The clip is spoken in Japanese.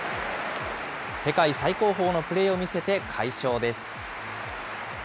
世界最高峰のプレーを見せて快勝です。